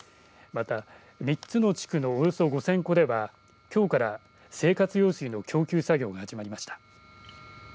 また、３つの地区のおよそ５０００戸ではきょうから生活用水の供給作業が始まりました。